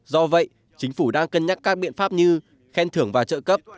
do vậy chính phủ đang cân nhắc các biện pháp như khen thưởng và trợ cấp